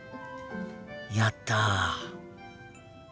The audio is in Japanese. やった。